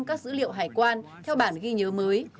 các dữ liệu hải quan theo bản ghi nhớ mới